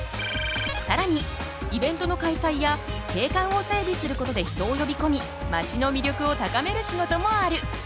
さらにイベントの開催や景観を整備することで人を呼びこみまちの魅力を高める仕事もある。